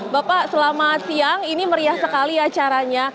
bapak selamat siang ini meriah sekali acaranya